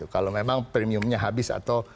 kalau memang premiumnya habis atau